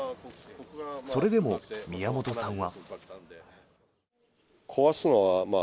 それでも、宮本さんは。